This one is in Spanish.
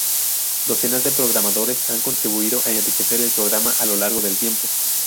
Docenas de programadores han contribuido a enriquecer el programa a lo largo del tiempo.